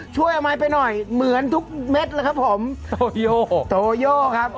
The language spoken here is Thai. ช่วยเอาไม้ไปหน่อยเหมือนทุกเม็ดเลยครับผมโตโยโตโยครับ